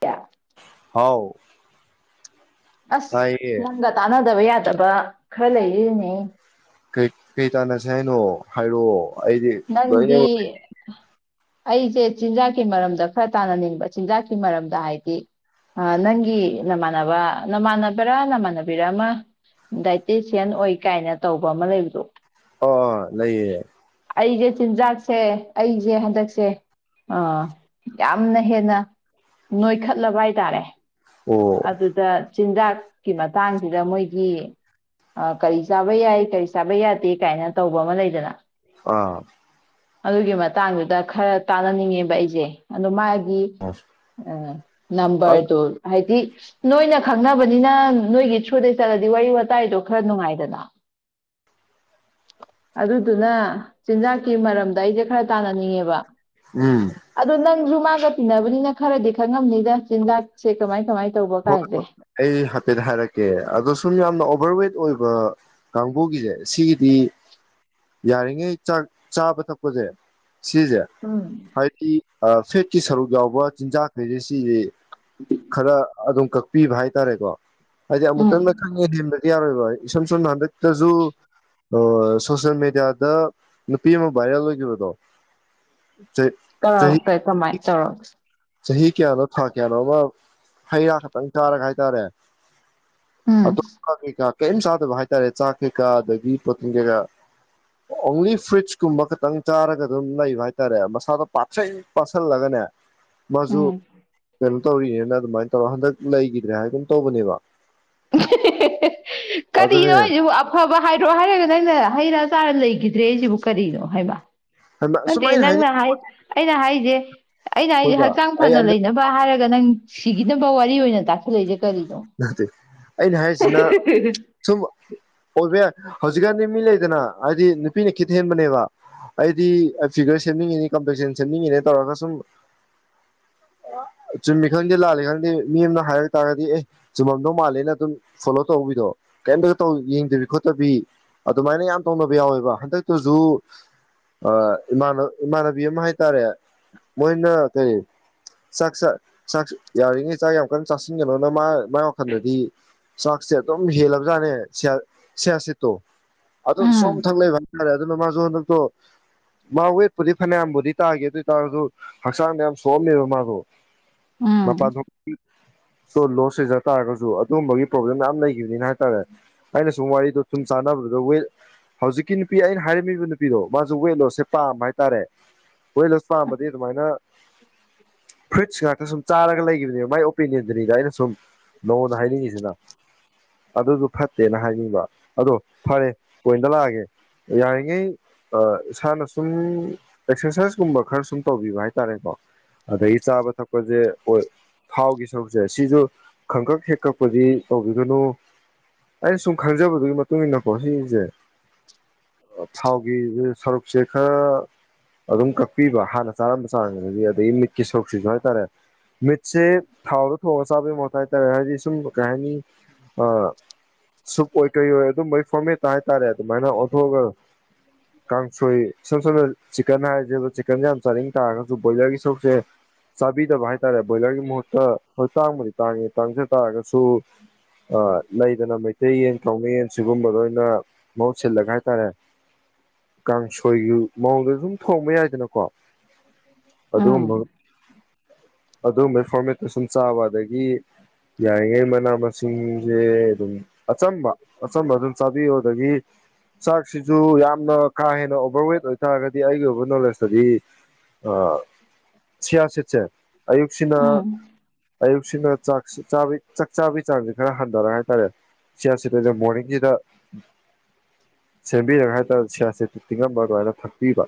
ꯀꯌꯥ ꯊꯥꯎ ꯑꯁ ꯅꯪꯒ ꯇ ꯅꯗꯕ ꯌꯥꯗ ꯐꯠꯇꯕ ꯈꯔ ꯂꯩꯔꯤꯅꯦ ꯀꯩ ꯇꯥꯟꯅꯁꯦ ꯍꯥꯏꯅꯣ ꯍꯥꯏꯔꯛꯑꯣ ꯑꯩꯗꯤ ꯂꯅꯦ ꯅꯪꯗꯤ ꯑꯩꯁꯦ ꯆꯤꯟꯖꯥꯛꯀꯤ ꯃꯔꯝꯗ ꯈꯔ ꯇꯥꯅꯅꯤꯡꯕ ꯆꯤꯟꯖꯥꯛꯀꯤ ꯃꯔꯝꯗ ꯍꯥꯏꯗꯤ ꯅꯪꯒꯤ ꯅꯃꯥꯟꯅꯕ ꯅꯃꯥꯟꯅꯕꯔꯥ ꯅꯃꯥꯟꯅꯕꯤꯔ ꯑꯃ ꯗꯥꯏꯇꯤꯁꯤꯌꯥꯟ ꯑꯣꯏ ꯀꯥꯏꯅ ꯇꯧꯕ ꯑꯃ ꯂꯩꯕꯗꯣ ꯑ ꯂꯩꯌꯦ ꯑꯩꯁꯦ ꯆꯤꯟꯖꯥꯛꯁꯦ ꯑꯩꯁꯦ ꯍꯟꯗꯛꯁꯦ ꯌꯥꯝꯅ ꯍꯦꯟꯅ ꯅꯣꯏꯈꯠꯂꯕ ꯍꯥꯏꯇꯥꯔꯦ ꯑꯣ ꯑꯗꯨꯗ ꯆꯤꯟꯖꯥꯛꯀꯤ ꯃꯇꯥꯡꯁꯤꯗ ꯃꯣꯏꯒꯤ ꯀꯔꯤ ꯆꯥꯕ ꯌꯥꯏ ꯀꯔꯤ ꯆꯥꯕ ꯌꯥꯗꯦ ꯀꯥꯏꯅ ꯇꯧꯕ ꯑꯃ ꯂꯩꯗꯅ ꯑꯥ ꯑꯗꯨꯒꯤ ꯃꯇꯥꯡꯗꯨꯗ ꯈꯔ ꯇꯥꯟꯅꯅꯤꯡꯉꯦꯕ ꯑꯩꯁꯦ ꯑꯗꯨ ꯅꯝꯕꯔꯗꯣ ꯍꯥꯏꯗꯤ ꯅꯣꯏꯅ ꯈꯪꯅꯕꯅꯤꯅ ꯅꯣꯏꯒꯤ ꯊ꯭ꯔꯨꯗꯩ ꯆꯠꯂꯗꯤ ꯋꯥꯔꯤ ꯋꯥꯇꯥꯏꯗꯣ ꯈꯔ ꯅꯨꯡꯉꯥꯏꯗꯅ ꯑꯗꯨꯗꯨꯅ ꯆꯤꯟꯖꯥꯛꯀꯤ ꯃꯔꯝꯗ ꯑꯩꯁꯦ ꯈꯔ ꯇꯥꯟꯅꯅꯤꯡꯉꯦꯕ ꯎꯝ ꯑꯗ ꯅꯪ ꯃꯥꯒ ꯇꯤꯟꯅꯅꯕꯅꯤꯅ ꯈꯔꯗꯤ ꯈꯪꯉꯝꯅꯤꯗ ꯆꯤꯟꯖꯥꯛ ꯍꯣꯏ ꯍꯣꯏ ꯑꯩ ꯍꯥꯏꯐꯦꯠ ꯍꯥꯏꯔꯛꯀꯦ ꯑꯗꯣ ꯁꯨꯝ ꯌꯥꯝꯅ ꯑꯣꯚꯔꯋꯦꯠ ꯑꯣꯏꯕ ꯀꯥꯡꯕꯨꯒꯤꯁꯦ ꯁꯤꯒꯤꯗꯤ ꯌꯥꯔꯤꯉꯩꯥꯛ ꯆꯥꯕ ꯊꯛꯄꯁꯦ ꯁꯤꯖꯦ ꯎꯝ ꯍꯗꯤ ꯐꯦꯠꯀꯤ ꯁꯔꯨꯛ ꯌꯥꯎꯕ ꯆꯤꯟꯖꯥꯛꯈꯩꯁꯦ ꯁꯤ ꯈꯔ ꯑꯗꯨꯝ ꯀꯛꯄꯤꯕ ꯍꯥꯏꯇꯥꯔꯦꯀꯣ ꯍꯥꯏꯖꯤ ꯎꯝ ꯑꯃꯨꯛꯇꯪ ꯈꯪꯉꯦ [unintelligible] ꯌꯥꯔꯣꯏꯕ ꯏꯁꯝ ꯁꯝꯅ ꯍꯟꯗꯛꯇꯖ ꯁꯣꯁꯦꯜ ꯃꯦꯗꯤꯌꯥꯗ ꯅꯨꯄꯤ ꯑꯃ ꯚꯥꯏꯔꯦꯜ ꯑꯣꯏꯈꯤꯕꯗꯣ ꯆꯍꯤ ꯀꯧ ꯆꯍꯤ ꯀꯩ ꯀꯃꯥꯏ ꯇꯧꯔ ꯆꯍꯤ ꯀꯌꯥꯅꯣ ꯊꯥ ꯀꯌꯥꯅꯣ ꯑꯃ ꯍꯩ ꯔꯥ ꯈꯛꯇ ꯆꯥꯔꯒ ꯍꯥꯏꯇꯥꯔꯦ ꯎꯝ ꯑꯗꯨ ꯀꯥ ꯀꯩ ꯀꯥ ꯀꯩꯝ ꯆꯥꯗꯕ ꯍꯥꯏꯇꯥꯔꯦ ꯆꯥꯛ ꯀꯩꯀꯥ ꯑꯗꯒꯤ ꯄ꯭ꯔꯣꯇꯤꯟ ꯀꯩꯀꯥ ꯑꯣꯡꯂꯤ ꯐꯨꯔꯤꯠꯁꯀꯨꯝꯕ ꯈꯇꯪ ꯆꯥꯔꯒ ꯑꯗꯨꯝ ꯂꯩꯕ ꯍꯥꯏꯇꯥꯔꯦ ꯃꯁꯥꯗꯣ ꯄꯥꯛꯁꯪ ꯄꯥꯁꯤꯜꯂꯒꯅꯦ ꯃꯁꯨ ꯎꯝ ꯇꯧꯔꯤꯅꯦꯅ ꯑꯗꯨꯃꯥꯏꯅ ꯇꯧꯔꯒ ꯍꯟꯗꯛ ꯂꯩꯈꯤꯗ꯭ꯔꯦ ꯍꯥꯏꯒꯨꯝ ꯇꯧꯕꯅꯦꯕ ꯀꯔꯤꯅꯣ ꯑꯗꯨꯅꯦ ꯑꯩꯁꯤꯕꯨ ꯑꯐꯕ ꯍꯥꯏꯗ꯭ꯔꯣ ꯍꯥꯏꯔꯒ ꯅꯪꯅ ꯍꯩꯩ ꯔ꯭ꯥ ꯆꯥꯔ ꯂꯩ ꯂꯩꯈꯤꯗꯔ꯭ꯦ ꯍꯥꯌꯁꯤꯕꯨ ꯀꯔꯤꯅꯣ ꯍꯥꯌꯕ ꯅꯠꯇꯦ ꯁꯨꯃꯥꯏꯅ ꯅꯪꯅ ꯍꯥꯏꯅꯤꯡ ꯍꯥꯏ ꯑꯩꯅ ꯍꯥꯏꯁꯦ ꯑꯩꯅ ꯍꯥꯏꯁꯦ ꯑꯩꯈꯣꯏꯕ ꯍꯛꯆꯥꯡ ꯑꯩ ꯐꯅ ꯂꯩꯅꯕ ꯍꯥꯏꯔꯒ ꯅꯪ ꯁꯤꯒꯤꯅꯕꯥ ꯋꯥꯔꯤ ꯑꯣꯏꯅ ꯇꯥꯛꯁꯤꯂꯛꯏꯁꯤ ꯀꯔꯤꯅꯣ ꯅꯠꯇꯦ ꯑꯩꯅ ꯍꯥꯏꯔꯤꯁꯤꯅ ꯁꯨꯝ ꯑꯣꯏꯕ ꯌꯥꯏ ꯍꯧꯖꯤꯛꯀꯥꯟꯗꯤ ꯃꯤ ꯂꯩꯗꯅ ꯍꯥꯏꯗꯤ ꯅꯨꯄꯤꯅ ꯈꯤꯠ ꯍꯦꯟꯕꯅꯦꯕ ꯑꯩꯗꯤ ꯐꯤꯒꯔ ꯁꯦꯝꯅꯤꯡꯉꯤꯅꯤ ꯀꯝꯄꯦꯛꯁꯟ ꯁꯦꯝꯅꯤꯡꯉꯤꯅꯦ ꯇꯧꯔꯒ ꯁꯨꯝ ꯆꯨꯝꯃꯤ ꯈꯪꯗꯦ ꯂꯥꯜꯂꯤ ꯈꯪꯗꯦ ꯃꯤ ꯑꯃꯅ ꯍꯥꯏꯔꯛ ꯇꯥꯔꯒꯗꯤ ꯑꯦ ꯆꯨꯝꯃꯝꯗꯧ ꯃꯥꯜꯂꯦꯅ ꯑꯗꯨꯝ ꯐꯣꯂꯣ ꯇꯧꯕꯤꯗꯣ ꯀꯔꯤꯝꯇꯒꯧ ꯌꯦꯡꯗꯕꯤ ꯈꯣꯠꯇꯕꯤ ꯑꯗꯨꯃꯥꯏꯅ ꯌꯥꯝ ꯇꯧꯅꯕ ꯌꯥꯎꯋꯦꯕ ꯍꯟꯗꯛꯇꯨꯁꯨꯥꯟ ꯏꯃꯥꯟꯅꯕꯤ ꯑꯃ ꯍꯥꯏ ꯇꯔꯦ ꯃꯣꯏꯅ ꯀꯔꯤ ꯆꯥꯛ ꯆꯥꯛ ꯌꯥꯔꯤꯉꯩ ꯆꯥꯛ ꯌꯥꯝ ꯀꯟꯅ ꯆꯥꯁꯤꯟꯒꯅꯣꯅ ꯃꯥ ꯃꯥꯏ ꯋꯥꯈꯜꯗꯗꯤ ꯆꯥꯛꯁꯦ ꯑꯗꯨꯝ ꯍꯦꯜꯂꯕꯖꯥꯠꯅꯦ ꯁꯌꯥꯁꯤꯠꯇꯣ ꯑ ꯎꯝ ꯁꯣꯝ ꯊꯥꯡ ꯂꯩꯕꯥ ꯑꯗꯨꯅ ꯃꯥꯁꯨ ꯍꯟꯗꯛꯇꯣ ꯃꯥ ꯋꯦꯠꯄꯨꯗꯤ ꯐꯅꯌꯥꯝꯕꯨꯗꯤ ꯇꯥꯒꯦ ꯑꯗꯨ ꯑꯣꯏꯇꯥꯔꯁꯨ ꯍꯛꯆꯥꯡꯗ ꯌꯥꯝ ꯁꯣꯛꯑꯝꯃꯦꯕ ꯃꯥꯗꯣ ꯎꯝ ꯃꯄꯥꯥ [unintelligible] ꯂꯣꯁ ꯔꯤꯖꯜ ꯇꯥꯔꯒꯁꯨ ꯑꯗꯨꯒꯨꯝꯕꯒꯤ ꯄ꯭ꯔꯣꯕ꯭ꯂꯦꯝ ꯃꯌꯥꯝ ꯂꯩꯈꯤꯕꯅꯤꯅ ꯍꯥꯏꯇꯥꯔꯦ ꯑꯩꯅ ꯁꯨꯝ ꯋꯥꯔꯤꯗꯣ ꯁꯨꯝ ꯆꯥꯟꯅꯕꯗꯨꯗ ꯋꯦ ꯍꯧꯖꯤꯛꯀꯤ ꯅꯨꯄꯤ ꯑꯩꯅ ꯍꯥꯏꯔꯝꯃꯤꯕ ꯅꯨꯄꯤꯗꯣ ꯃꯥꯁꯨ ꯋꯦꯠ ꯂꯣꯁꯁꯦ ꯄꯥꯝꯕ ꯍꯥꯏꯇꯥꯔꯦ ꯋꯦꯠ ꯂꯣꯁ ꯄꯥꯝꯕꯗꯤ ꯑꯗꯨꯃꯥꯏꯅ ꯐ꯭ꯔꯨꯏꯠꯁ ꯉꯥꯛꯇ ꯁꯨꯝ ꯆꯥꯔꯒ ꯂꯩꯈꯤꯕꯅꯦꯕ ꯃꯥꯏ ꯑꯣꯄꯤꯅꯤꯌꯟ ꯑꯗꯨꯅꯤꯗ ꯑꯩꯟ ꯁꯨꯝ ꯅꯉꯣꯟꯗ ꯍꯥꯏꯅꯤꯡꯉꯤꯁꯤꯅ ꯑꯗꯨꯁꯨ ꯐꯠꯇꯦꯅ ꯍꯥꯏꯅꯤꯡꯕ ꯑꯗꯣ ꯐꯔꯦ ꯀꯣꯏꯟꯇ ꯂꯥꯛꯑꯒꯦ ꯌꯥꯔꯤꯉꯩ ꯏꯁꯥꯅ ꯁꯨꯝ ꯑꯦꯛꯁꯔꯁꯥꯏꯁꯀꯨꯝꯕ ꯈꯔ ꯁꯨꯝ ꯇꯧꯕꯤꯕ ꯍꯥꯏ ꯇꯔꯦꯀꯣ ꯑꯗꯒꯤ ꯆꯥꯕ ꯊꯛꯄꯁꯦꯣꯏ ꯊꯥꯎꯒꯤ ꯁꯔꯨꯛꯁꯦ ꯁꯤꯁꯨ ꯈꯪꯀꯛ ꯍꯦꯛ ꯀꯛꯄꯗꯤ ꯇꯧꯕꯤꯒꯅꯨ ꯑꯩꯅ ꯁꯨꯝ ꯈꯪꯖꯕꯗꯨꯒꯤ ꯃꯇꯨꯡ ꯏ ꯃꯇꯨꯡꯏꯟꯅꯀꯣ ꯁꯤꯁꯦ ꯊꯥꯎꯒꯤ ꯁꯔꯨꯛꯁꯦ ꯈꯔ ꯑꯗꯨꯝ ꯀꯛꯄꯤꯕ ꯍꯥꯟꯅ ꯆꯥꯔꯝꯕ ꯆꯥꯡꯗꯗꯤ ꯑꯗꯒꯤ ꯃꯤꯠꯀꯤ ꯁꯔꯨꯛꯁꯤꯁꯨ ꯍꯥꯏꯇꯥꯔꯦ ꯃꯤꯠ ꯆꯦ ꯊꯥꯎꯗ ꯊꯣꯉꯥ ꯆꯥꯕꯩ ꯃꯍꯨꯇꯥ ꯍꯥꯏꯇꯥꯔꯦ ꯍꯥꯏꯗꯤ ꯁꯨꯝ ꯀꯩ ꯍꯥꯏꯅꯤ ꯁꯨꯞ ꯑꯣꯏ ꯀꯩ ꯑꯣꯏ ꯑꯗꯨꯝꯕꯒꯤ ꯐꯣꯔꯃꯦꯠ ꯇ ꯍꯥꯏꯇꯥꯔꯦ ꯑꯗꯨꯃꯥꯏꯅ ꯑꯣꯟꯊꯣꯛꯑꯒ ꯀꯥꯡꯁꯣꯏ ꯏꯁꯝ ꯁꯝꯅ ꯆꯤꯄ ꯀꯟꯅꯥ ꯍꯥꯏꯁꯦꯕ ꯆꯤꯛꯀꯟ ꯌꯥꯝ ꯆꯥꯅꯤꯡ ꯇꯥꯔꯒꯁꯨ ꯕꯣꯏꯂꯔꯒꯤ ꯁꯔꯨꯛꯁꯦ ꯆꯥꯕꯤꯗꯕ ꯍꯥꯏꯇꯥꯔꯦ ꯕꯣꯏꯂꯔꯒꯤ ꯃꯍꯨꯠꯇ ꯍꯣꯏ ꯇꯥꯡꯕꯨꯗꯤ ꯇꯥꯡꯉꯦ ꯇꯥꯡꯖꯥ ꯇꯥꯔꯒꯁꯨ ꯑꯥ ꯂꯩꯗꯅ ꯃꯩꯇꯩꯌꯦꯟ ꯀꯥꯎꯅꯩꯌꯦꯟ ꯁꯤꯒꯨꯝꯕ ꯂꯣꯏꯅ ꯃꯍꯨꯠ ꯁꯤꯜꯂꯒ ꯍꯥꯏꯇꯥꯔꯦ ꯀꯥꯡꯁꯣꯏꯒꯤ ꯃꯑꯣꯡꯗ ꯁꯨꯝ ꯊꯣꯡꯕ ꯌꯥꯏꯗꯅꯀꯣ ꯎꯝ ꯑꯗꯨꯝꯕꯩ ꯐꯣꯔꯃꯦꯠꯇꯨ ꯁꯨꯝ ꯆꯥꯕ ꯑꯗꯒꯤ ꯌꯥꯔꯤꯉꯩ ꯃꯅꯥ ꯃꯁꯤꯡꯁꯦ ꯑꯗꯨꯝ ꯑꯆꯝꯕ ꯑꯆꯝꯕ ꯑꯗꯨꯝ ꯆꯥꯕꯤꯌꯨ ꯑꯗꯒꯤ ꯆꯥꯛꯁꯤꯁꯨ ꯌꯥꯝꯅ ꯀꯥ ꯍꯦꯟꯅ ꯑꯣꯚꯔꯋꯦꯠ ꯑꯣꯏꯇꯥꯥꯔꯒꯗꯤ ꯑꯩꯒꯤ ꯑꯣꯏꯕ ꯅꯣꯂꯦꯖꯇꯗꯤ ꯑ ꯁꯤꯌꯥꯁꯤꯠꯁꯦ ꯑꯌꯨꯛꯁꯤꯅ ꯎꯝ ꯑꯌꯨꯛꯁꯤꯅ ꯆꯥꯛ ꯁꯤ ꯆꯥꯕꯗꯩꯩ ꯆꯥꯛ ꯆꯥꯕꯩ ꯆꯥꯡꯁꯦ ꯈꯔ ꯍꯟꯊꯔꯒ ꯍꯥꯏꯇꯥꯔꯦ ꯆꯤꯌꯥꯁꯤꯠ ꯑꯣꯏꯅꯥ ꯃꯣꯔꯅꯤꯡꯖꯤꯗꯥ ꯁꯦꯝꯕꯤꯔꯒ ꯍꯥꯏꯇꯥꯥꯔꯦ ꯁꯤꯌꯥꯁꯤꯠ ꯇꯤꯡꯉꯝꯕ ꯂꯣꯏꯔꯒ ꯊꯛꯄꯤꯕ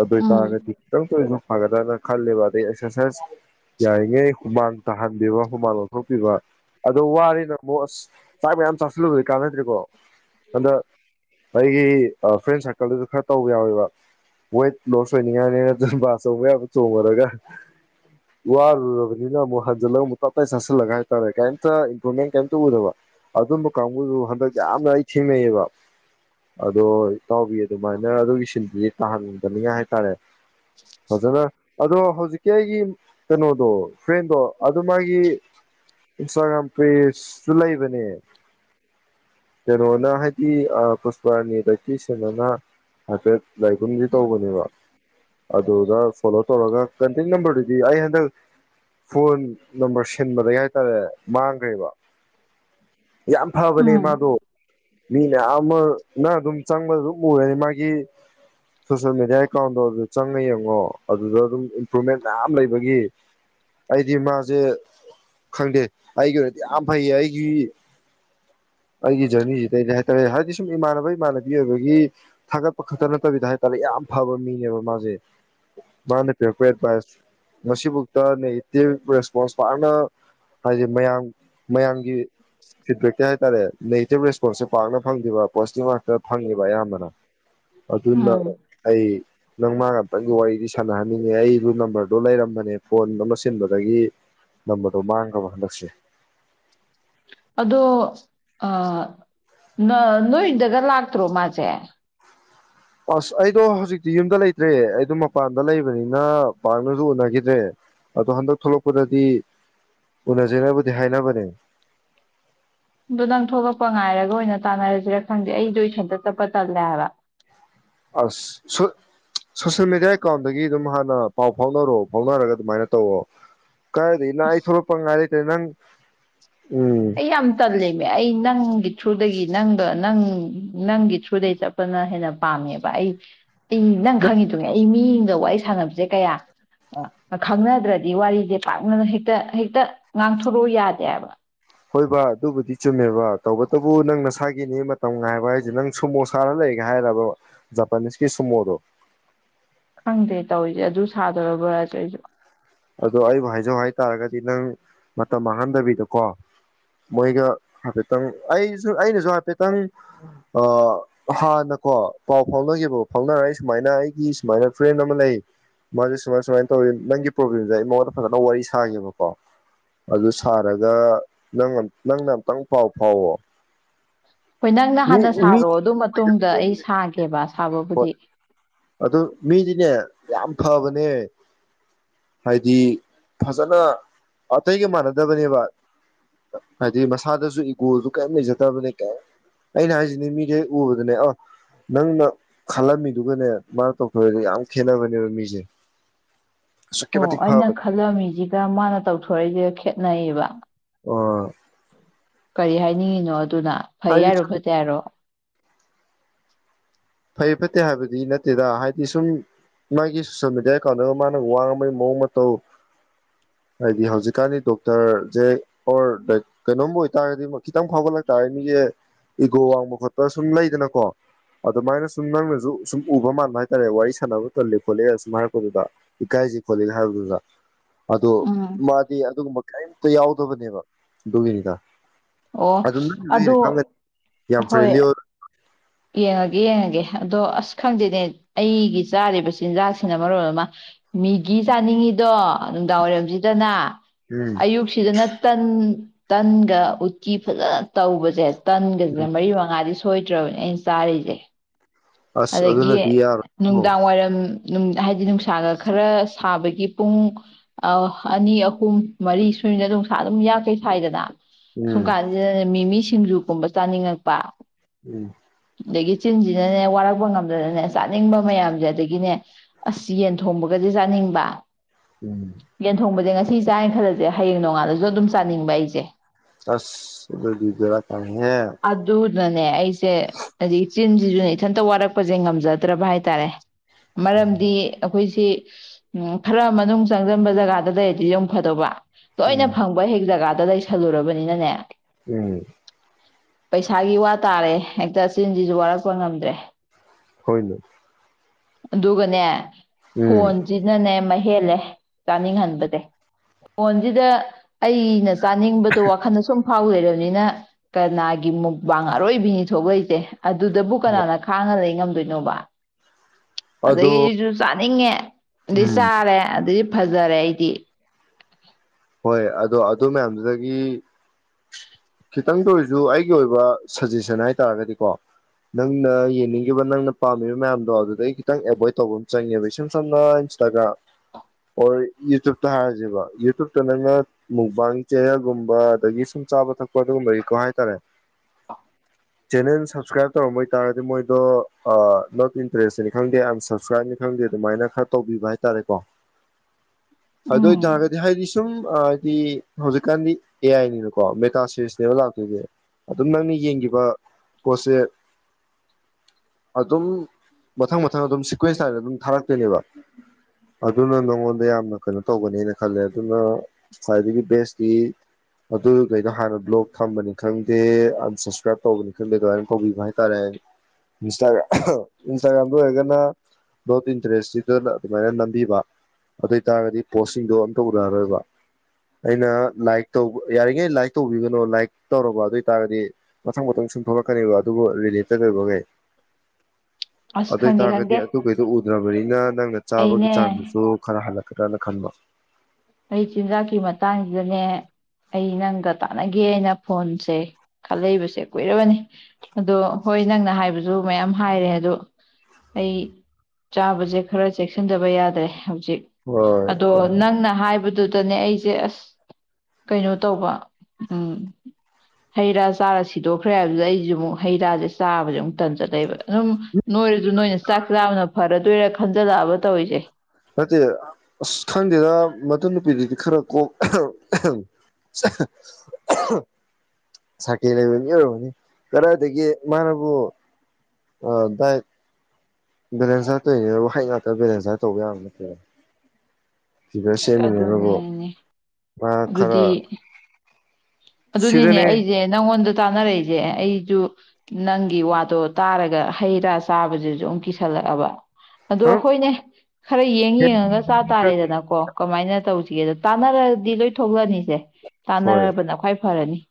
ꯑꯗꯨ ꯎꯝ ꯑꯣꯏꯇꯥꯔꯒꯗꯤ ꯀꯔꯝ ꯇꯧꯔꯤꯅꯣ ꯐꯒꯗ꯭ꯔꯅ ꯈꯜꯂꯦꯕ ꯑꯗꯩ ꯑꯦꯛꯁꯔꯁꯥꯏꯁ ꯌꯥꯔꯤꯉꯩ ꯍꯨꯃꯥꯡ ꯇꯥꯍꯟꯕꯤꯌꯣ ꯍꯨꯃꯥꯟ ꯂꯧꯊꯣꯛꯄꯤꯕ ꯑꯗꯣ ꯋꯥꯔꯦꯅ ꯑꯃꯨꯛ ꯑꯁ ꯆꯥꯛ ꯃꯌꯥꯝ ꯆꯥꯁꯤꯜꯂꯨꯔꯗꯤ ꯀꯥꯟꯅꯗ꯭ꯔꯦꯀꯣ ꯍꯟꯗ ꯑꯩꯒꯤ ꯐ꯭ꯔꯦꯟ ꯁꯥꯔꯀꯜꯗꯨꯁꯨ ꯈꯔ ꯇꯧꯕ ꯌꯥꯎꯋꯦꯕ ꯋꯦꯠ ꯂꯣꯁ ꯑꯣꯏꯅꯤꯡꯉꯦ ꯍꯥꯏꯕꯩ ꯑꯗꯨꯗ ꯖꯨꯝꯕꯥ ꯆꯣꯡꯕ ꯌꯥꯕ ꯆꯣꯡꯉꯨꯔꯒ ꯋꯥꯔꯨꯔꯕꯅꯤꯅ ꯑꯃꯨꯛ ꯍꯟꯖꯤꯜꯂꯒꯥ ꯑꯃꯨꯛ ꯇꯞꯇꯥꯏ ꯆꯁꯤꯜꯂꯒ ꯍꯥꯏꯇꯥꯔꯦ ꯀꯩꯝꯇ ꯏꯝꯄ꯭ꯔꯨꯃꯦꯟ ꯀꯩꯝꯇ ꯎꯗꯕ ꯑꯗꯨꯝꯕ ꯀꯥꯡ ꯃꯣꯏꯁꯨ ꯍꯟꯗꯛ ꯌꯥꯝꯅ ꯑꯩ ꯊꯦꯡꯅꯩꯑꯕ ꯑꯗꯣ ꯏꯇꯥꯎꯕꯤ ꯑꯗꯨꯃꯥꯏꯅ ꯑꯗꯨꯒꯤ ꯁꯤꯟꯗꯨꯗꯤ ꯇꯥꯍꯟꯗꯅꯤꯡꯉꯥꯏ ꯍꯥꯏꯇꯥꯔꯦ ꯐꯖꯅꯥ ꯑꯗꯣ ꯍꯧꯖꯤꯛꯀꯤ ꯑꯩꯒꯤ ꯀꯩꯅꯣꯗꯣ ꯐ꯭ꯔꯦꯟꯗꯣ ꯑꯗꯨꯝ ꯃꯥꯒꯤ ꯏꯟꯁꯇꯥꯒ꯭ꯔꯥꯝ ꯄꯦꯖꯇꯨ ꯂꯩꯕꯅꯦ ꯀꯩꯅꯣꯅ ꯍꯥꯏꯗꯤ ꯄꯨꯁꯄꯥꯔꯥꯅꯤ ꯗꯥꯗꯤ ꯁꯦꯟꯅꯅꯥ ꯍꯥꯏꯐꯦꯠ ꯂꯩꯏꯔꯤ ꯒꯨꯝꯗꯤ ꯇꯧꯕꯅꯦꯕ ꯑꯗꯨꯗ ꯐꯣꯂꯣ ꯇꯧꯔꯒ ꯀꯟꯇꯦꯛ ꯅꯝꯕꯔꯗꯗꯤ ꯑꯩ ꯍꯟꯗꯛ ꯐꯣꯟ ꯅꯝꯕꯔ ꯁꯤꯟꯕꯗꯒꯤ ꯍꯥꯏꯇꯥꯔꯦ ꯃꯥꯡꯈ꯭ꯔꯦꯕ ꯌꯥꯝ ꯐꯕꯅꯦ ꯎꯝ ꯃꯥꯗꯣ ꯃꯤ ꯃꯌꯥꯝ ꯑꯃꯅ ꯑꯗꯨꯝ ꯆꯪꯕꯗꯨꯗ ꯎꯔꯅꯤ ꯃꯥꯒꯤ ꯁꯣꯁꯦꯜ ꯃꯦꯗꯤꯌꯥ ꯑꯦꯀꯥꯎꯟꯗꯣ ꯑꯗꯨ ꯆꯪꯉ ꯌꯦꯡꯉꯣ ꯑꯗꯨꯗ ꯑꯗꯨꯝ ꯏꯝꯄ꯭ꯔꯨꯚꯃꯦꯟ ꯃꯌꯥꯝ ꯂꯩꯕꯒꯤ ꯑꯩꯗꯤ ꯃꯥ ꯁꯦ ꯈꯪꯗꯦ ꯑꯩꯒꯤ ꯑꯣꯏꯅꯗꯤ ꯌꯥꯝ ꯐꯩꯌꯦ ꯑꯩꯒꯤ ꯑꯩꯒꯤ ꯖꯔꯅꯤꯁꯤꯗꯩꯗꯤ ꯍꯥꯏꯇꯥꯔꯦ ꯍꯥꯏꯗꯤ ꯁꯨꯝ ꯏꯃꯥꯟꯅꯕ ꯏꯃꯥꯟꯅꯕꯤ ꯑꯣꯏꯕꯒꯤ ꯊꯥꯒꯠꯄ ꯈꯛꯇ ꯅꯠꯇꯕꯤꯗ ꯍꯥꯏ ꯇꯔꯦ ꯌꯥꯝ ꯐꯕ ꯃꯤꯅꯦꯕ ꯃꯥꯁꯦ ꯃꯥꯅ ꯄꯤꯔꯛꯄ ꯑꯦꯗꯚꯥꯏꯁ ꯉꯁꯤꯕꯨꯛꯇꯅꯦ ꯇꯤꯔꯔꯦꯁ ꯥꯄꯣꯁꯇ ꯇꯥꯔꯃꯦ [unintelligible] ꯍꯥꯏꯁꯦ ꯃꯌꯥꯝ ꯃꯌꯥꯝꯒꯤ ꯐꯤꯠꯕꯦꯛ ꯇꯩ ꯍꯥꯏ ꯇꯥꯔꯦ ꯅꯦꯒꯦꯇꯤꯕ ꯔꯦꯁꯄꯣꯟꯁꯦ ꯄꯥꯛꯅ ꯐꯪꯗꯦꯕ ꯄꯣꯁꯖꯤꯇꯤꯕ ꯉꯥꯛ ꯇꯥ ꯐꯪꯉꯦꯕ ꯑꯌꯥꯝꯕꯅ ꯑꯗꯨꯅ ꯎꯝ ꯑꯩ ꯅꯪ ꯃꯥ ꯉꯥꯛꯇꯪꯗꯤ ꯋꯥꯔꯤ ꯁꯥꯟꯅꯍꯟꯅꯤꯡꯉꯦ ꯑꯩꯖꯨ ꯅꯝꯕꯔꯗꯣ ꯂꯩꯔꯝꯕꯅꯦ ꯐꯣꯟꯗꯣ ꯑꯃ ꯁꯤꯟꯕꯗꯒꯤ ꯅꯝꯕꯔꯗꯣ ꯃꯥꯡꯈꯔꯕꯥ ꯍꯟꯗꯛꯁꯦ ꯑꯗꯣ ꯑꯥ ꯅꯣꯏꯗꯒ ꯂꯥꯛꯇ꯭ꯔꯣ ꯃꯥꯁꯦ ꯑꯁ ꯑꯩꯗꯣ ꯍꯧꯖꯤꯛꯇꯤ ꯌꯨꯝꯗ ꯂꯩꯇ꯭ꯔꯦ ꯑꯩꯗꯣ ꯃꯄꯥꯟꯗ ꯂꯩꯕꯅꯤꯅ ꯄꯥꯛꯅꯁꯨ ꯎꯅꯈꯤꯗ꯭ꯔꯦ ꯑꯗꯣ ꯍꯟꯗꯛ ꯊꯣꯛꯂꯛꯄꯗꯗꯤ ꯎꯅꯖꯦꯅꯕꯨꯗꯤ ꯍꯥꯏꯅꯕꯅꯦ ꯑꯗꯨ ꯅꯪ ꯊꯣꯛꯂꯛꯄ ꯉꯥꯏꯔꯒ ꯑꯣꯏꯅ ꯇꯥꯟꯅꯔꯁꯤꯔ ꯈꯪꯗꯦ ꯑꯩꯗꯣ ꯏꯊꯟꯇꯥ ꯆꯠꯄ ꯇꯜꯂꯦ ꯍꯥꯏꯕ ꯑꯁ ꯁꯣꯁꯦꯜ ꯃꯦꯗꯤꯌꯥ ꯑꯦꯀꯥꯎꯟꯗꯒꯤ ꯑꯗꯨꯝ ꯍꯥꯟꯅ ꯄꯥꯎ ꯐꯥꯎꯅꯔꯣ ꯐꯥꯎꯅꯔꯒ ꯑꯗꯨꯃꯥꯏꯅ ꯇꯧꯑꯣ ꯀꯥꯏꯗꯩꯅ ꯑꯩ ꯊꯣꯛꯔꯛꯄꯥ ꯉꯥꯢꯂꯩ ꯅꯪ ꯎꯝ ꯑꯩ ꯌꯥꯝ ꯇꯜ ꯂꯦꯃꯦ ꯑꯩ ꯅꯪꯒꯤ ꯊ꯭ꯔꯨꯗꯒꯤ ꯅꯪꯗꯣ ꯅꯪ ꯅꯪꯒꯤ ꯊ꯭ꯔꯨꯗꯒꯤꯩ ꯆꯠꯄꯅ ꯍꯦꯟꯅ ꯄꯥꯝꯃꯦꯕ ꯑꯩ ꯑꯩ ꯅꯪ ꯈꯪꯉꯤꯗꯨꯅꯦ ꯑꯩ ꯃꯤ ꯁꯤꯡꯗ ꯋꯥꯔꯤ ꯁꯥꯟꯅꯕꯁꯦ ꯀꯌꯥ ꯈꯪꯅꯗ꯭ꯔꯗꯤ ꯋꯥꯔꯤꯁꯦ ꯄꯥꯛꯅꯅ ꯍꯦꯛꯇ ꯍꯦꯛꯇ ꯉꯥꯡꯊꯣꯔꯛꯎ ꯌꯥꯗꯦꯕ ꯍꯣꯏ ꯕꯥ ꯑꯗꯨꯕꯨꯗꯤ ꯆꯨꯝꯃꯦꯕ ꯇꯧꯕꯇꯕꯨ ꯅꯪ ꯅꯁꯥꯒꯤꯅꯦ ꯃꯇꯝ ꯉꯥꯏꯕ ꯍꯥꯏꯁꯦ ꯅꯪ ꯁꯨꯝꯃꯣ ꯁꯥꯔ ꯂꯩꯒ ꯍꯥꯏꯔꯕ ꯖꯄꯥꯅꯤꯁꯀꯤ ꯁꯨꯃꯣꯗꯣ ꯈꯪꯗꯦ ꯇꯧꯔꯤꯁꯦ ꯑꯗꯨ ꯁꯥꯗꯣꯏꯔꯕ ꯑꯗꯨ ꯑꯩꯁꯨ ꯑꯗꯣ ꯑꯩꯕꯨ ꯍꯥꯏꯖꯧ ꯍꯥꯏꯇꯥꯥꯔꯒꯗꯤ ꯅꯪ ꯃꯇꯝ ꯃꯥꯡꯍꯟꯗꯕꯤꯗꯀꯣ ꯃꯣꯏꯒ ꯍꯥꯏꯐꯦꯠꯇꯪ ꯑꯩꯁꯨ ꯑꯩꯅꯁꯨ ꯍꯥꯏꯐꯦꯠꯇꯪ ꯍꯥꯟꯅꯀꯣ ꯄꯥꯎ ꯐꯥꯎꯅꯈꯤꯕ ꯐꯥꯎꯅꯔ ꯑꯩ ꯁꯨꯃꯥꯏꯅ ꯑꯩꯒꯤ ꯁꯨꯃꯥꯏꯅ ꯐ꯭ꯔꯦꯟ ꯑꯃ ꯂꯩ ꯃꯥꯁꯦ ꯁꯨꯃꯥꯏ ꯁꯨꯃꯥꯏꯅ ꯇꯧꯋꯤ ꯅꯪꯒꯤ ꯄ꯭ꯔꯣꯕ꯭ꯂꯦꯝꯁꯦ ꯑꯩꯉꯣꯟꯗ ꯐꯖꯅ ꯋꯥꯔꯤ ꯁꯥꯦꯕꯀꯣ ꯑꯗꯨ ꯁꯥꯔꯒ ꯅꯪ ꯅꯪꯅ ꯑꯝꯛꯇꯪ ꯄꯥꯎ ꯐꯥꯎꯋ ꯍꯣꯏ ꯅꯪꯅ ꯍꯥꯟꯅ ꯁꯥꯔꯣ ꯑꯗꯨ ꯃꯇꯨꯡꯗ ꯑꯩ ꯁꯥꯒꯦꯕ ꯁꯥꯕꯕꯨꯗꯤ ꯑꯗꯨ ꯃꯤꯗꯤꯅꯦ ꯌꯥꯝ ꯐꯕꯅꯦ ꯍꯥꯏꯗꯤ ꯐꯖꯅ ꯑꯇꯩꯒ ꯃꯥꯟꯅꯗꯕꯅꯦꯕ ꯍꯥꯏꯗꯤ ꯃꯁꯥꯗꯁꯨ ꯏꯒꯣꯁꯨ ꯀꯔꯤꯝ ꯂꯩꯖꯗꯕꯅꯦ ꯀꯩ ꯑꯩꯅ ꯍꯥꯏꯁꯤꯅꯦ ꯃꯤꯁ ꯍꯦꯛ ꯎꯕꯗꯅꯦ ꯑ ꯅꯪꯅ ꯈꯜꯂꯝꯃꯤꯗꯨꯒꯅꯦ ꯃꯥ ꯇꯧꯈꯗ ꯌꯥꯝ ꯈꯦꯠꯅꯕꯅꯦꯕ ꯃꯤꯁꯦ ꯑꯁꯨꯛꯀꯤ ꯑꯣ ꯃꯇꯤꯛ ꯑꯩꯅ ꯐꯕꯅꯦ ꯈꯜꯂꯝꯃꯤꯁꯤꯒ ꯃꯥꯅ ꯇꯧꯊꯣꯔꯛꯏꯁꯦꯒ ꯈꯦꯠꯅꯩꯌꯦꯕ ꯑꯣ ꯀꯔꯤ ꯍꯥꯏꯅꯤꯡꯉꯤꯅꯣ ꯑꯗꯨꯅ ꯐꯩ ꯍꯥꯏꯗꯤ ꯌꯥꯔꯣ ꯐꯠꯇ ꯌꯥꯔꯣ ꯐꯩ ꯐꯠꯇꯦ ꯍꯥꯏꯕꯗꯤ ꯅꯠꯇꯦꯗ ꯍꯥꯏꯗꯤ ꯁꯨꯝ ꯃꯥꯒꯤ ꯁꯣꯁꯦꯜ ꯃꯦꯗꯤꯌꯥ ꯑꯦꯀꯥꯎꯟꯗ ꯃꯥꯅ ꯋꯥꯡꯉꯕꯒꯤ ꯃꯑꯣꯡ ꯃꯇꯧ ꯍꯥꯏꯗꯤ ꯍꯧꯖꯤꯛꯀꯥꯟꯗꯤ ꯗꯣꯛꯇꯔꯁꯦ ꯑꯣꯔ ꯀꯩꯅꯣꯝꯝꯕ ꯑꯣꯏꯇꯥꯔꯒꯗꯤ ꯈꯤꯇꯪ ꯐꯥꯎꯒꯠꯂꯛ ꯇꯥꯔꯦ ꯃꯤꯁꯦ ꯏꯒꯣ ꯋꯥꯡꯕ ꯈꯣꯠꯄ ꯁꯨꯝ ꯂꯩꯗꯅꯀꯣ ꯑꯗꯨꯃꯥꯏꯅ ꯁꯨꯝ ꯅꯪꯅꯁꯨ ꯁꯨꯝ ꯎꯕ ꯃꯥꯟꯕ ꯍꯥꯏꯇꯥꯥꯔꯦ ꯋꯥꯔꯤ ꯁꯥꯟꯅꯕ ꯇꯜꯂꯤ ꯈꯣꯠꯂꯦꯒ ꯁꯨꯝ ꯍꯥꯏꯔꯛꯄꯗꯨꯗ ꯏꯀꯥꯏꯁꯤ ꯈꯣꯠꯂꯤꯦꯒ ꯍꯥꯏꯕꯗꯨꯗ ꯑꯗꯣ ꯎꯝ ꯃꯥꯗꯤ ꯑꯗꯨꯒꯨꯝꯕ ꯀꯥꯏꯝꯇ ꯌꯥꯎ ꯣꯕ ꯗꯒꯤꯅꯤꯗ ꯑꯣ ꯑꯗꯣ ꯌꯥꯝ ꯍꯣꯏ ꯐ꯭ꯔꯦꯟꯂꯤ ꯑꯣꯏ ꯌꯦꯡꯉꯒꯦ ꯌꯦꯡꯉꯒꯦ ꯑꯗꯣ ꯑꯁ ꯈꯪꯗꯦꯅꯦ ꯑꯩꯒꯤ ꯆꯥꯔꯤꯕ ꯆꯤꯟꯖꯥꯛꯁꯤꯅ ꯃꯔ ꯑꯣꯏ ꯑꯃ ꯃꯤꯒꯤ ꯆꯥꯅꯤꯡꯉꯤꯗꯣ ꯅꯨꯡꯗꯥꯡ ꯋꯥꯏꯔꯝꯁꯤꯗꯅ ꯎꯝ ꯑꯌꯨꯛꯁꯤꯗꯅ ꯇꯟ ꯇꯟꯒ ꯎꯠꯀꯤ ꯐꯖꯅ ꯇꯧꯕꯁꯦ ꯇꯟꯒꯁꯦ ꯎꯝ ꯃꯔꯤ ꯃꯉꯥꯗꯤ ꯊꯣꯏꯗ꯭ꯔꯕꯅꯤ ꯑꯩ ꯁꯔꯤꯁꯦ ꯑꯁ ꯑꯗꯒꯤ ꯑꯗꯨꯅꯗꯤ ꯌꯥꯔꯣꯏꯉꯣ ꯅꯨꯡꯗꯥꯡ ꯋꯥꯏꯔꯝ ꯅꯨꯡ ꯍꯥꯏꯗꯤ ꯎꯅꯨꯡꯁꯥꯒ ꯈꯔ ꯁꯥꯕꯒꯤ ꯄꯨꯡ ꯑꯅꯤ ꯑꯍꯨꯝ ꯃꯔꯤ ꯁꯨꯅ ꯅꯨꯡꯁꯥ ꯑꯗꯨꯝ ꯌꯥꯛꯀꯩ ꯁꯥꯏꯗꯅ ꯁꯨꯡ ꯎꯝ ꯀ ꯃꯤꯃꯤꯁꯤ ꯁꯤꯡꯖꯨꯒꯨꯝꯕ ꯆꯥꯅꯤꯡꯉꯛꯄ ꯎꯝ ꯑꯗꯒꯤ ꯆꯤꯡꯁꯤꯅꯅꯦ ꯋꯥꯔꯛ ꯧꯕ ꯉꯝꯗꯅꯅꯦ ꯆꯥꯅꯤꯡꯕ ꯃꯌꯥꯝꯁꯦ ꯑꯗꯒꯤꯅꯦ ꯑꯁ ꯌꯦꯟ ꯊꯣꯡꯕꯒꯗꯤ ꯆꯥꯅꯤꯡꯕ ꯎꯝ ꯌꯦꯟ ꯊꯣꯡꯕꯁ ꯉꯁꯤ ꯁꯤ ꯆꯥꯅ ꯈꯜꯂꯁꯦ ꯍꯌꯦꯡ ꯅꯣꯡꯉꯥꯜꯗꯁꯨ ꯑꯗꯨꯝ ꯆꯥꯅꯤꯡꯕ ꯑꯩꯁꯦ ꯑꯁꯗꯗꯔ ꯀꯥꯏ ꯍꯦ ꯑꯗꯨꯠ ꯗꯅꯦ ꯑꯩꯖ ꯆꯦ ꯑꯗꯩꯩ ꯆꯤꯟ ꯁꯤꯖꯨꯅꯦ ꯏꯊꯟꯇ ꯋꯥꯔꯛꯄꯖꯦ ꯉꯝꯖꯗ꯭ꯔꯕ ꯍꯥꯏꯇꯥꯔꯦ ꯃꯔꯝꯗꯤ ꯑꯈꯣꯏꯖ ꯁꯤ ꯎꯝ ꯈꯔ ꯃꯅꯨꯡ ꯆꯪꯖꯟꯕ ꯖꯒꯥꯗ ꯂꯩꯗꯤ ꯑꯝ ꯐꯗꯧꯕ ꯇꯣꯏꯅ ꯎꯝ ꯐꯪꯕ ꯍꯦꯛ ꯖꯒꯥꯠ ꯇ ꯂꯩꯁꯜꯂꯨꯔꯕꯅꯤꯅꯅꯦ ꯎꯝ ꯄꯩꯁꯥꯒꯤ ꯋꯥ ꯇꯥꯔꯦ ꯍꯦꯛꯇ ꯆꯤꯟꯖꯤꯖꯨ ꯋꯥꯔꯛꯄ ꯉꯝꯗ꯭ꯔꯦ ꯍꯣꯏꯅꯦ ꯑꯗꯨꯒꯅꯦ ꯎꯝ ꯐꯣꯟꯖꯤꯅꯅꯦ ꯃꯩ ꯍꯦꯜꯂꯦ ꯆꯥꯅꯤꯡꯍꯟꯕꯗꯤ ꯐꯣꯟꯖꯤꯗ ꯑꯩꯅ ꯆꯥꯅꯤꯡꯕꯗꯣ ꯋꯥꯈꯟꯗ ꯁꯨꯝ ꯐꯥꯎꯂꯩꯔꯅꯤꯅ ꯀꯅꯥꯏ ꯒꯤ ꯃꯨꯛꯕꯥꯥꯡ ꯑꯔꯣꯏꯕꯤꯅꯤ ꯊꯣꯛꯂꯏꯖꯦ ꯑꯗꯨꯗꯕꯨ ꯀꯅꯥꯅ ꯈꯥꯡꯉ ꯂꯩ ꯉꯝꯗꯣꯏꯅꯣꯕ ꯑꯗꯣ ꯑꯗꯒꯤꯖꯤꯖꯨ ꯆꯥꯅꯤꯡꯉꯦ ꯑꯗꯩ ꯎꯝ ꯆꯥꯔꯦ ꯑꯗꯩ ꯐꯖꯔꯦ ꯑꯩꯗꯤ ꯍꯣꯏ ꯑꯗꯣ ꯑꯗꯨ ꯃꯌꯥꯝꯗꯨꯗꯒꯤ [unintelligible] ꯈꯤꯇꯪ ꯇ ꯑꯣꯏꯖꯨ ꯑꯩꯒꯤ ꯑꯣꯏꯕ ꯁꯖꯦꯁꯟ ꯍꯥꯏꯇꯥꯔꯒꯗꯤꯀꯣ ꯅꯪꯅ ꯌꯦꯅꯤꯒꯤꯕ ꯅꯪꯅ ꯄꯥꯝꯃꯤꯕ ꯃꯌꯥꯝꯗꯣ ꯑꯗꯨꯗꯩ ꯈꯤꯇꯪ ꯑꯦꯕꯣꯏꯠ ꯇꯧꯕꯝ ꯆꯪꯉꯦꯕ ꯏꯁꯝ ꯁꯝꯅ ꯏꯟꯁꯇꯥꯒ꯭ꯔꯥꯝ ꯑꯣꯔ ꯌꯨꯇꯨꯞꯇ ꯍꯥꯏꯔꯖꯦꯕ ꯌꯨꯇꯨꯞꯇ ꯅꯪꯅ ꯃꯨꯛꯕꯥꯡ ꯆꯦꯅꯦꯜꯒꯨꯝꯕ ꯑꯗꯒꯤ ꯁꯨꯝ ꯆꯥꯕ ꯊꯛ ꯄ ꯑꯗꯨꯒꯨꯝꯕꯒꯤꯀꯣ ꯍꯥꯏꯇꯥꯔꯦ ꯆꯦꯅꯦꯟ ꯁꯞꯁꯀ꯭ꯔꯥꯏꯞ ꯇꯧꯔꯝꯕ ꯑꯣꯏꯇꯥꯥꯔꯗꯤ ꯃꯣꯏꯗꯣ ꯑꯥ ꯅꯣꯠ ꯏꯟꯇꯔꯦꯁꯇꯅꯤ ꯈꯪꯗꯦ ꯑꯟꯁꯞꯁꯀ꯭ꯔꯥꯏꯞꯅꯤ ꯈꯪꯗꯦ ꯑꯗꯨꯃꯥꯏꯅ ꯈꯔ ꯇꯧꯕꯤꯕ ꯍꯥꯏꯇꯥꯔꯦꯀꯣ ꯑꯗꯨ ꯎꯝ ꯑꯣꯏꯇꯥꯔꯒꯗꯤ ꯍꯥꯏꯔꯤꯁ ꯁꯨꯝ ꯑꯥꯗꯤ ꯍꯧꯖꯤꯛꯀꯥꯟꯗꯤ ꯑꯦ ꯑꯥꯏꯅꯤꯅꯀꯣ ꯃꯦꯇꯥ ꯁꯤ ꯁꯦꯔꯤꯁꯅꯦꯕ ꯂꯥꯛꯇꯣꯏꯖꯦ ꯑꯗꯨꯝ ꯅꯪꯅ ꯌꯦꯡꯒꯤꯕ ꯄꯣꯠꯁꯦ ꯑꯗꯨꯝ ꯃꯊꯪ ꯃꯊꯪ ꯑꯗꯨꯝ ꯁꯤꯀ꯭ꯋꯦꯟꯁ ꯅꯥꯢꯅ ꯑꯗꯨꯝ ꯊꯥꯔꯛꯇꯣꯏꯅꯦꯕ ꯑꯗꯨꯅ ꯅꯉꯣꯟꯗ ꯌꯥꯝꯅ ꯀꯅꯣ ꯇꯧꯒꯅꯦꯅ ꯈꯜꯂꯦ ꯑꯗꯨꯅ ꯈ꯭ꯋꯥꯏꯗꯒꯤ ꯕꯦꯁꯇꯤ ꯑꯗꯨ ꯒꯩꯗꯣ ꯍꯥꯟꯅ ꯕ꯭ꯂꯣꯛ ꯊꯝꯕꯅꯤ ꯈꯪꯗꯦ ꯑꯟꯁꯞꯁꯀ꯭ꯔꯥꯏꯞ ꯇꯧꯕꯅꯤ ꯈꯪꯗꯦ ꯑꯗꯨꯃꯥꯏꯅ ꯇꯧꯕꯤꯕ ꯍꯥꯏꯇꯥꯔꯦ ꯏꯟꯁꯇꯥꯒ꯭ꯔꯥꯝ ꯏꯟꯁꯇꯥꯒ꯭ꯔꯥꯝꯗ ꯑꯣꯏꯔꯒꯅ ꯅꯣꯠ ꯏꯟꯇꯔꯦꯁꯁꯤꯗ ꯑꯗꯨꯃꯥꯏꯅ ꯅꯝꯕꯤꯕ ꯑꯗꯣꯏꯇꯥꯔꯒꯗꯤ ꯄꯣꯁꯁꯤꯡꯗꯣ ꯑꯝꯇꯥ ꯎꯔꯑꯔꯣꯏꯕ ꯑꯩꯅ ꯂꯥꯏꯛ ꯇꯧꯕ ꯌꯥꯔꯤꯉꯩ ꯂꯥꯏꯛ ꯇꯧꯕꯤꯒ ꯅꯣ ꯂꯥꯏꯛ ꯇꯧꯔꯕ ꯑꯗꯣꯏꯇꯥꯥꯔꯗꯤ ꯃꯊꯪ ꯃꯊꯪ ꯁꯨꯝ ꯊꯣꯛꯂꯛꯀꯅꯦꯕ ꯑꯗꯨꯕꯨ ꯔꯤꯂꯤꯇꯦꯠ ꯑꯣꯏꯕꯒꯩ ꯑꯁ ꯈꯪꯗꯦ ꯑꯗꯣꯏꯇꯥꯔꯒꯗꯤ ꯈꯪꯗꯦ ꯑꯗꯨ ꯒꯩꯗꯣ ꯎꯗ꯭ꯔꯕ [unintelligible] ꯅꯪꯅ ꯆꯥꯕꯒꯤ ꯑꯩꯅꯦ ꯆꯥꯡꯗꯨꯁꯨ ꯈꯔ ꯍꯜꯂꯛ ꯈꯔꯅ ꯈꯟꯕ ꯑꯩ ꯆꯤꯟꯖꯥꯛꯀꯤ ꯃꯇꯥꯡꯖꯤꯗꯅꯦ ꯑꯩ ꯅꯪꯒ ꯇꯥꯟꯅꯒꯦꯅ ꯐꯣꯟꯁꯦ ꯈꯜꯂꯛꯏꯕꯁꯦ ꯀꯨꯏꯔꯕꯅꯤ ꯑꯗꯣ ꯍꯣꯏ ꯅꯪꯅ ꯍꯥꯏꯕꯖꯨ ꯃꯌꯥꯝ ꯍꯥꯏꯔꯦ ꯑꯗꯣ ꯑꯩ ꯆꯥꯕꯖꯦ ꯈꯔ ꯆꯦꯛꯁꯤꯟꯗꯕ ꯌꯥꯗ꯭ꯔꯦ ꯆꯦꯛ ꯍꯣꯏ ꯑꯗꯣ ꯍꯣꯏ ꯅꯪꯅ ꯍꯥꯏꯞ ꯕꯗꯨꯗꯅꯦ ꯑꯩꯁꯦ ꯑꯁ ꯀꯩꯅꯣ ꯇꯧꯕ ꯎꯝ ꯍꯩ ꯔꯥ ꯆꯥꯔ ꯁꯤꯗꯣꯛꯈ꯭ꯔꯦ ꯍꯥꯏꯕꯗꯨꯗ ꯑꯩꯖꯨ ꯃꯨꯛ ꯍꯩꯔꯥꯖꯦ ꯆꯥꯕꯖꯦ ꯑꯃꯨꯛ ꯇꯟꯖꯟꯂꯏꯕ ꯗꯨꯝ ꯅꯣꯏꯔꯖꯨ ꯅꯣꯏꯅ ꯆꯥꯛꯆꯥꯕꯅ ꯐꯥꯔꯗꯣꯏꯔꯥ ꯈꯟꯖꯜꯂꯛꯑꯕ ꯇꯧꯔꯤꯁꯦ ꯅꯠꯇꯦ ꯑꯁ ꯈꯪꯗꯦꯗ ꯃꯗꯨ ꯅꯨꯄꯤꯗꯨꯗꯤ ꯈꯔ ꯀꯣꯛ ꯁꯥꯀꯦ ꯂꯩꯕ ꯃꯤ ꯑꯣꯏꯔꯝꯒꯅꯤ ꯀꯔꯥꯏꯗꯒꯤ ꯃꯥꯅꯕꯨ ꯗꯥꯏ ꯕꯦꯂꯦꯟꯁ ꯗꯥꯏꯔ ꯇꯣꯏꯅꯤꯕꯨ ꯍꯩ ꯉꯥꯛꯇ ꯕꯦꯂꯦꯟꯁꯗꯥꯏꯔ ꯇꯧꯕ ꯌꯥꯕ ꯅꯠꯇꯦ꯫ ꯐꯤꯒꯔ ꯑꯁ ꯁꯦꯝꯃꯤꯅꯦꯅꯕꯨ ꯑꯗꯨꯅꯦꯅꯦ ꯃꯥ ꯈꯔ ꯑꯗꯨꯗꯤ ꯑꯗꯨꯅꯤꯅꯦ ꯁꯤꯗꯅꯦ ꯑꯩꯁꯦ ꯅꯪꯉꯣꯟꯗ ꯇꯥꯅꯔꯛꯏꯁꯦ ꯑꯩꯁꯨ ꯅꯪꯒꯤ ꯋꯥꯗꯣ ꯇꯥꯔꯒ ꯍꯩꯔꯥ ꯆꯥꯕꯁꯤꯁꯨ ꯑꯃꯨꯛ ꯀꯤꯁꯤꯜꯂꯛꯑꯕ꯫ ꯑꯗꯣ ꯍꯣꯏꯅꯦ ꯈꯔ ꯌꯦꯡ ꯌꯦꯡꯉꯒ ꯆꯥ ꯇꯥꯔꯦꯗꯅꯀꯣ ꯀꯃꯥꯏꯅ ꯇꯧꯁꯤꯒꯦꯗ ꯇꯥꯟꯅꯔꯗꯤ ꯂꯣꯏ ꯊꯣꯛꯂꯛꯑꯅꯤꯁꯦ ꯍꯣꯏ ꯇꯅꯥꯔ ꯐꯔꯥꯅꯤ